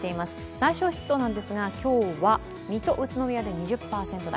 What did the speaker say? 最小湿度ですが、今日は水戸、宇都宮で２０％台。